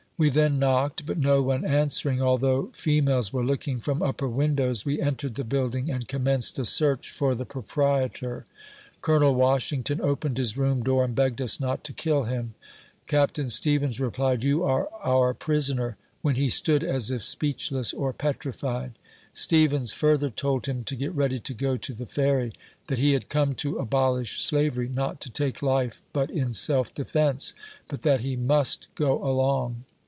We then knocked, but no one answering, although fe males were looking from upper windows, we entered the build ing and commenced a search for the proprietor. Col. Wash ington opened his room door, and begged us not to kill him. Capt. Stevens replied, " You are our prisoner," when he stood as if speechless or petrified. Stevens further told him to get ready to go to the Ferry ; that he had come to abolish slavery, not to take life but in self defence, but that he must go along.